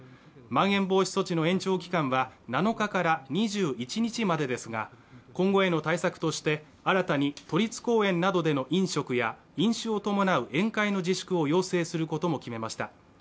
まん延防止措置の延長期間は７日から２１日までですが今後への対策として新たに都立公園などでの飲食や飲酒を伴う宴会の自粛を要請することも決めました